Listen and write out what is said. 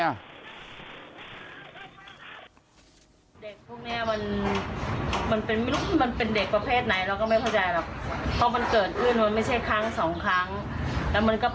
เด็กพวกนี้มันเป็นเด็กประเภทไหนเราก็ไม่เข้าใจแบบ